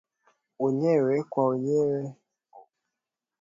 wenyewe kwa wenyewe Wakomunisti chini ya Lenin walishinda na kugeuza